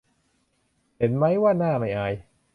เห็นมั๊ยว่าหน้าไม่อาย